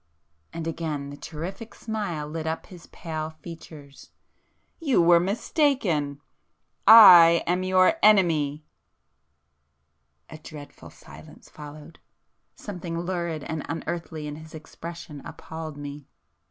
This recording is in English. and again the terrific smile lit up his pale features,—"You were mistaken! I am your Enemy!" A dreadful silence followed. Something lurid and unearthly in his expression appalled me